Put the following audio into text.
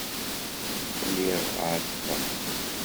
Lliɣ ɛetbeɣ.